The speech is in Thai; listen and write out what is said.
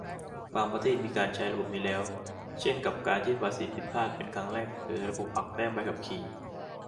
บางประเทศมีใช้ระบบนี้แล้ว เช่นกับการยื่นภาษีผิดพลาดเป็นครั้งแรก หรือระบบหักแต้มใบขับขี่